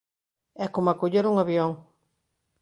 É coma coller un avión